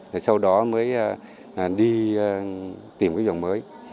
rồi sau đó mới đi tìm cái vòng mới